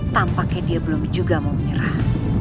tampaknya dia belum juga mau menyerah